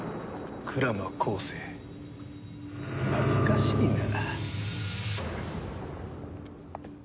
鞍馬光聖懐かしいな。